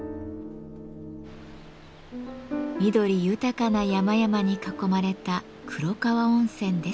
緑豊かな山々に囲まれた黒川温泉です。